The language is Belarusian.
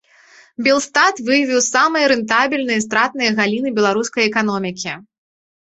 Белстат выявіў самыя рэнтабельныя і стратныя галіны беларускай эканомікі.